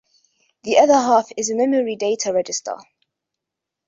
The other half is a memory data register.